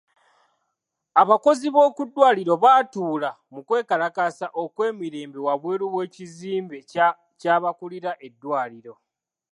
Abakozi b'okuddwaliro baatuula mu kwekalakaasa okw'emirembe wabweru w'ekizimbe ky'abakuulira eddwaliro.